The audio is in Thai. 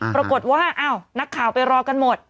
ปรากฏว่าอ้าวนักข่าวไปรอกันหมด